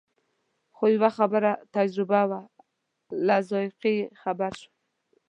خو یوه ښه تجربه وه له ذایقې یې خبر شوم.